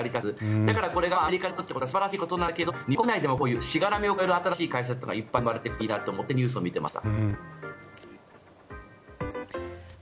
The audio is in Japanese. だからこれがアメリカで起こることは素晴らしいことなんだけど日本国内でもこういうしがらみを超える新しい会社がいっぱい生まれるといいなと思ってニュースを見ていました。